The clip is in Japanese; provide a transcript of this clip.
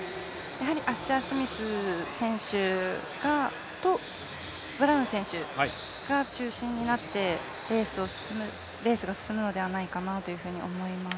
やはりアッシャースミス選手と、ブラウン選手が中心になってレースが進むのではないかと思います。